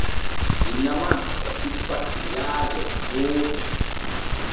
Inna ma e sippa kilaaje booɗɗum.